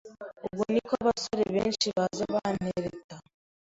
Ubwo niko abasore benshi baza bantereta,